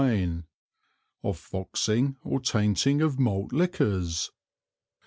XII. Of Foxing or Tainting Malt Liquors.